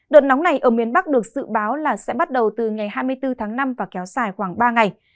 đợt nóng này ở miền bắc được dự báo là sẽ bắt đầu từ ngày hai mươi bốn tháng năm và kéo dài khoảng ba ngày